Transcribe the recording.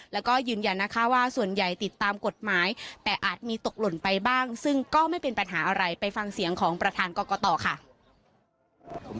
แล้วก็ยืนยันนะคะว่าส่วนใหญ่ติดตามกฎหมายแต่อาจมีตกหล่นไปบ้างซึ่งก็ไม่เป็นปัญหาอะไรไปฟังเสียงของประธานกรกตค่ะ